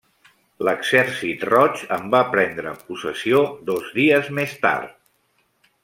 L'Exèrcit Roig en va prendre possessió dos dies més tard.